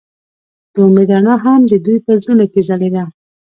د امید رڼا هم د دوی په زړونو کې ځلېده.